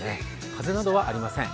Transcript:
風などはありません。